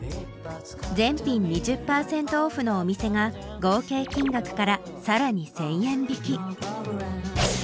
全品２０％オフのお店が合計金額からさらに１０００円引き。